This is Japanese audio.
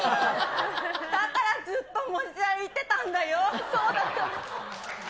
だからずっと持ち歩いてたんだよ。